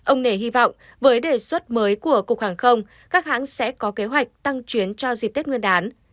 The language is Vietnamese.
ông nể hy vọng với đề xuất mới của cục hàng không các hãng sẽ có kế hoạch tăng chuyến cho dịp tết nguyên đán